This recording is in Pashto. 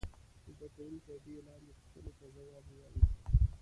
زده کوونکي دې لاندې پوښتنو ته ځواب ووايي.